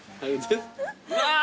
うわ！